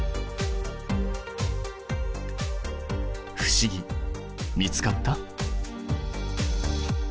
不思議見つかった？